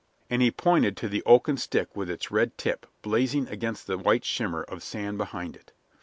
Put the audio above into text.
And he pointed to the oaken stick with its red tip blazing against the white shimmer of sand behind it.